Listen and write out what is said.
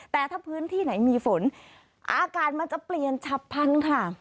แต่ถ้าพื้นที่ไหนมีฝนอากาศมันจะเปลี่ยนฉับพันธุ์ค่ะ